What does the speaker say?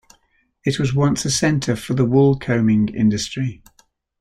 It was once a centre for the woolcombing industry.